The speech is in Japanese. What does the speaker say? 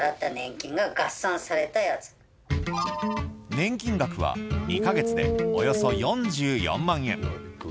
年金額は２か月でおよそ４４万円。